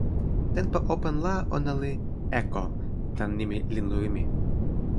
tenpo open la ona li "Eko", tan nimi linluwi mi.